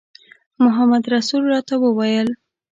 محمدرسول راته وویل.